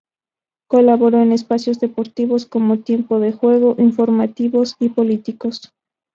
Colaboró en espacios deportivos como "Tiempo de Juego", informativos y políticos.